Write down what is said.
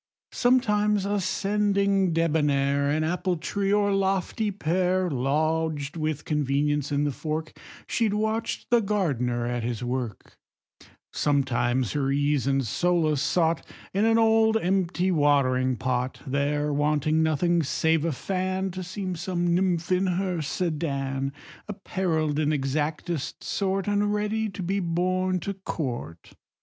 Sometimes ascending, debonnair, An apple tree, or lofty pear, Lodged with convenience in the fork, She watch'd the gardener at his work; Sometimes her ease and solace sought In an old empty watering pot: There, wanting nothing save a fan, To seem some nymph in her sedan Apparell'd in exactest sort, And ready to be borne to court.